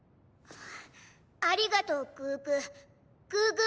ありがとうグーグー。